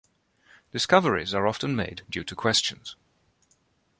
Discoveries are often made due to questions.